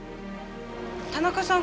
田中さん